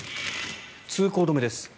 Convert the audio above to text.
通行止めです。